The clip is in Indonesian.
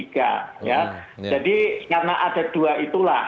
ya jadi karena ada dua itulah